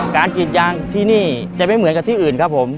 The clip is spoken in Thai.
กรีดยางที่นี่จะไม่เหมือนกับที่อื่นครับผม